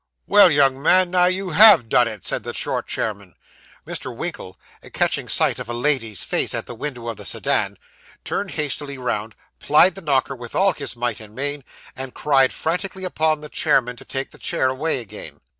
'Well, young man, now you _have _done it!' said the short chairman. Mr. Winkle, catching sight of a lady's face at the window of the sedan, turned hastily round, plied the knocker with all his might and main, and called frantically upon the chairman to take the chair away again.